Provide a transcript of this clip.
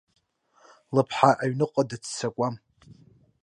Лыԥҳа аҩныҟа дыццакуам.